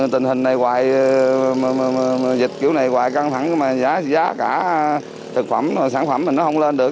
tình hình này hoài dịch kiểu này hoài căng thẳng mà giá cả thực phẩm sản phẩm mình nó không lên được